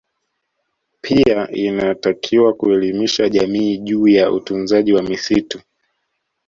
Pia inatakiwa kuelimisha jamii juu ya utunzaji wa misitu